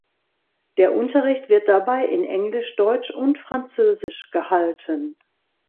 Der Unterricht wird dabei in Englisch, Deutsch und Französisch gehalten.